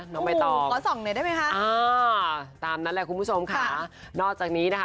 น้องไม่ต้องอ๋อตามนั้นแหละคุณผู้ชมค่ะนอกจากนี้นะคะ